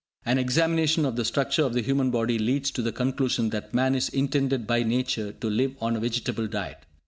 An examination of the structure of the human body leads to the conclusion that man is intended by Nature to live on a vegetable diet.